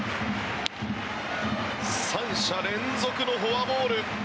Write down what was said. ３者連続のフォアボール。